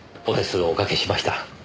お手数をおかけしました。